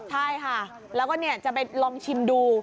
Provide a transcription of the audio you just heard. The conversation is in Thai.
ใช่ค่ะแล้วก็จะไปลองชิมดู